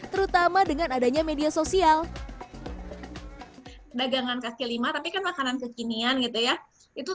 terutama dengan adanya media sosial dagangan kaki lima tapi kan makanan kekinian gitu ya itu